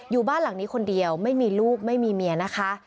อยู่บ้านหลังนี้คนเดียวไม่มีลูกไม่มีเมียนะคะ